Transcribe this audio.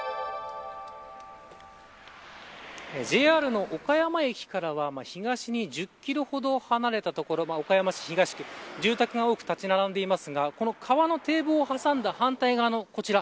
ＪＲの岡山駅からは東に１０キロほど離れた所岡山市東区住宅が多く立ち並んでいますがこの、川の堤防をはさんだ反対側のこちら。